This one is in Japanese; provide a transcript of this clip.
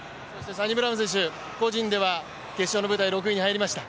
サニブラウン選手、個人では６位に入りました。